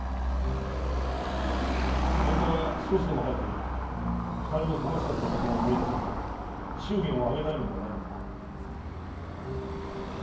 本当は少しでも早く二人の楽しかったことを思い出させ祝言を挙げたいのではないのか？